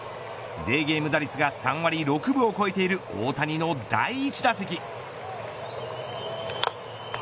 デーゲーム打率が３割６分を超えている大谷の第１打席。